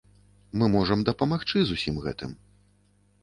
Мы можам дапамагчы з усім гэтым.